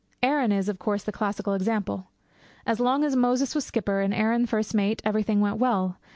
Aaron is, of course, the classical example. As long as Moses was skipper, and Aaron first mate, everything went well.